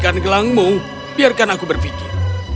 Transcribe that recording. aku akan memberikan gelangmu biarkan aku berpikir